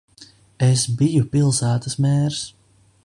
Es biju pilsētas mērs.